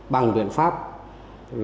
bằng đồng hành